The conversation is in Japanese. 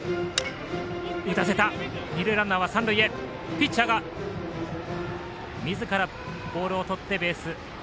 ピッチャーがみずからボールをとってベースへ。